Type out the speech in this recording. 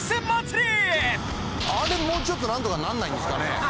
あれもうちょっとなんとかなんないんですかね？